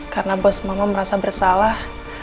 karena bos mama merasa bersalah